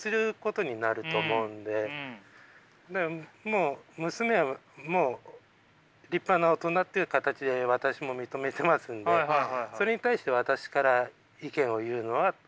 もう娘も立派な大人っていう形で私も認めてますんでそれに対して私から意見を言うのは。